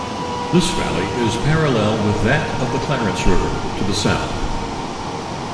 This valley is parallel with that of the Clarence River, to the south.